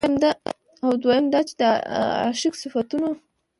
او دويم دا چې د عاشق د صفتونو